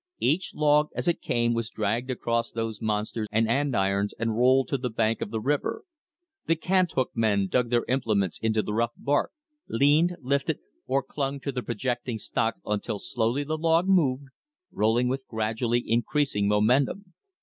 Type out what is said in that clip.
Each log as it came was dragged across those monster andirons and rolled to the bank of the river. The cant hook men dug their implements into the rough bark, leaned, lifted, or clung to the projecting stocks until slowly the log moved, rolling with gradually increasing momentum.